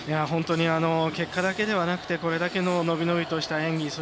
本当に結果だけではなくてこれだけの伸び伸びとした演技